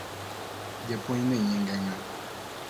Japuonjni nyinge ng’a?